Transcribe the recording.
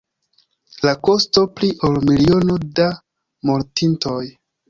La kosto: pli ol miliono da mortintoj.